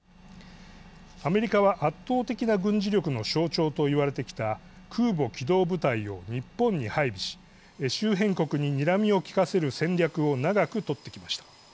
アメリカは圧倒的な軍事力の象徴と言われてきた空母機動部隊を日本に配備し周辺国ににらみを利かせる戦略を長く取ってきました。